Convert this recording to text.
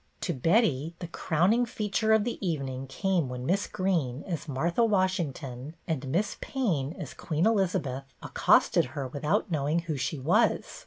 To Betty, the crowning feature of the evening came when Miss Greene as Martha Washington, and Miss Payne as Queen Elizabeth, accosted her without knowing who she was.